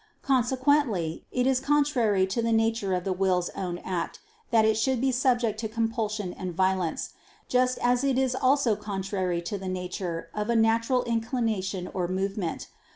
Consequently it is contrary to the nature of the will's own act, that it should be subject to compulsion and violence: just as it is also contrary to the nature of a natural inclination or movement.